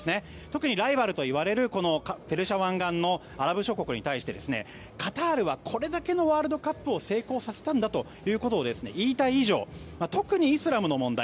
特にライバルといわれるペルシャ湾岸のアラブ諸国に対してカタールはこれだけのワールドカップを成功させたんだということを言いたい以上特にイスラムの問題